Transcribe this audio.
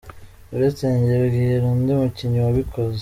Uretse njye, mbwira undi mukinnyi wabikoze?”.